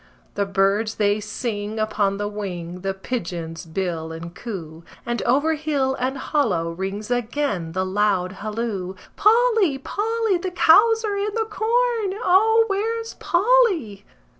The birds they sing upon the wing, the pigeons bill and coo, And over hill and hollow rings again the loud halloo: "Polly! Polly! The cows are in the corn! O, where's Polly?"